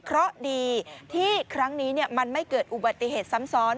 เพราะดีที่ครั้งนี้มันไม่เกิดอุบัติเหตุซ้ำซ้อน